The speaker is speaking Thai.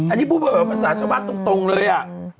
อันนี้พูดภาษาชาวบ้านตรงเลยอ่ะ